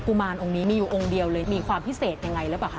กุมารองค์นี้มีอยู่องค์เดียวเลยมีความพิเศษอย่างไรแล้วป่ะค่ะ